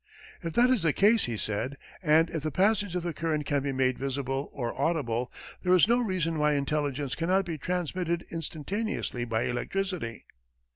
"If that is the case," he said, "and if the passage of the current can be made visible or audible, there is no reason why intelligence cannot be transmitted instantaneously by electricity."